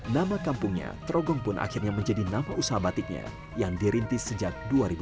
nama kampungnya trogong pun akhirnya menjadi nama usaha batiknya yang dirintis sejak dua ribu